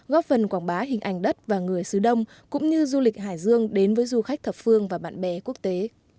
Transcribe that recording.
góp phần quảng bá hình ảnh đất và người xứ đông cũng như du lịch hải dương đến với du khách thập phương và bạn bè quốc tế